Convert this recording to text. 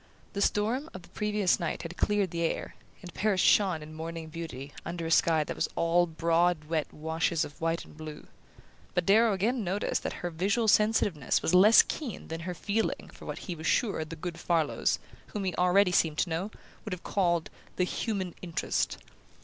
The storm of the previous night had cleared the air, and Paris shone in morning beauty under a sky that was all broad wet washes of white and blue; but Darrow again noticed that her visual sensitiveness was less keen than her feeling for what he was sure the good Farlows whom he already seemed to know would have called "the human interest."